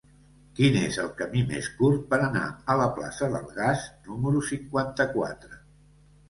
Quin és el camí més curt per anar a la plaça del Gas número cinquanta-quatre?